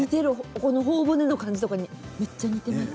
ほお骨の感じとかめっちゃ似ています。